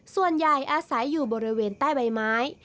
ส่วนใหญ่อาศัยอยู่บริเวณใต้ใบไม้